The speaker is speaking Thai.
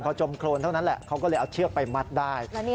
พอจมโครนเท่านั้นแหละเขาก็เลยเอาเชือกไปมัดได้